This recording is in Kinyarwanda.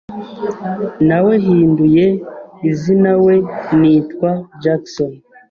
Nawehinduye izinawe nitwa Jackson.